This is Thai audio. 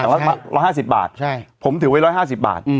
๑๕๐บาทผมถือไว้๑๕๐บาท